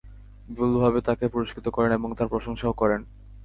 বিপুলভাবে তাকে পুরস্কৃত করেন এবং তার প্রশংসাও করেন।